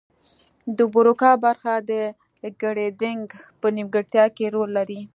د بروکا برخه د ګړیدنګ په نیمګړتیا کې رول لري